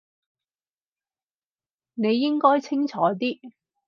你應該清楚啲